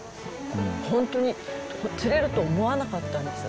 本当に釣れると思わなかったんです。